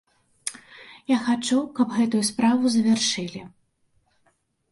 Я хачу, каб гэтую справу завяршылі.